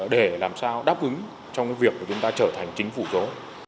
để làm sao đáp ứng trong việc chúng ta trở thành chính phủ số